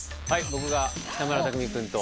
僕が北村匠海君と。